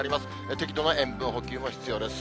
適度な塩分補給も必要です。